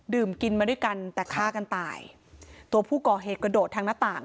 กินมาด้วยกันแต่ฆ่ากันตายตัวผู้ก่อเหตุกระโดดทางหน้าต่าง